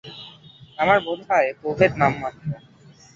আমার বোধ হয়, এ প্রভেদ নামমাত্র।